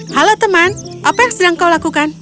halo teman apa yang sedang kau lakukan